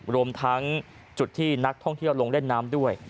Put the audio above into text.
รวมทั้งจุดที่นักท่องเที่ยวลงเล่นน้ำด้วย